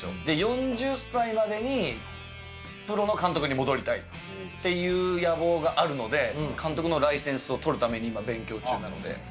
４０歳までにプロの監督に戻りたいっていう野望があるので、監督のライセンスを取るために、今勉強中なので。